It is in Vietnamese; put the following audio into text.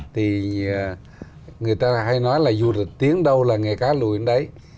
thì người ta hay nói là du lịch tiến đâu là nghề cá lùi đến đấy